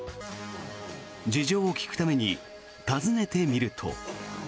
事情を聴くために訪ねてみると。